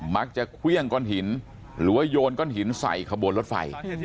มักจะเควี้ยงก้อนหินหรือว่ายนก้อนหินใส่ขบวนรถไฟ